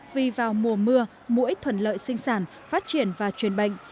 vì vào mùa mưa mũi thuận lợi sinh sản phát triển và truyền bệnh